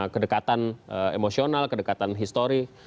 kedekatan emosional kedekatan histori